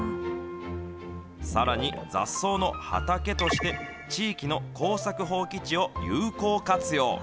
さらに、雑草の畑として、地域の耕作放棄地を有効活用。